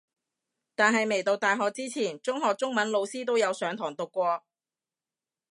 但係未讀大學之前中學中文老師都有上堂讀過